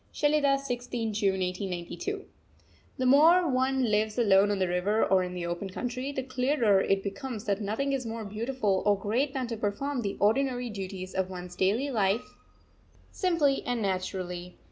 SHELIDAH, 16th June 1892. The more one lives alone on the river or in the open country, the clearer it becomes that nothing is more beautiful or great than to perform the ordinary duties of one's daily life simply and naturally.